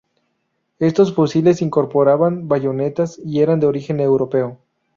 Estos fusiles incorporaban bayonetas y eran de origen europeo.